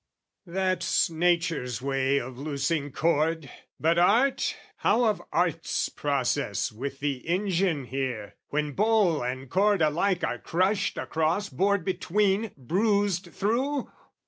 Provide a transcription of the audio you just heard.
That's Nature's way of loosing cord! but Art, How of Art's process with the engine here? When bowl and cord alike are crushed across, Bored between, bruised through?